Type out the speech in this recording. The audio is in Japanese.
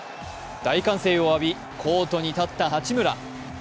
大歓声を浴び、コートに立った八村。